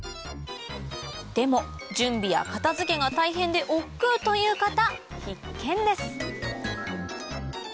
でも準備や片付けが大変でおっくうという方必見です